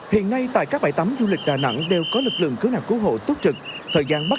hiện nay tại các bãi tắm du lịch đà nẵng đều có lực lượng cứu nạn cứu hộ tốt trực thời gian bắt